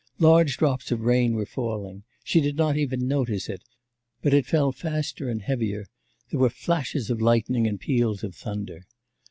Large drops of rain were falling, she did not even notice it; but it fell faster and heavier, there were flashes of lightning and peals of thunder.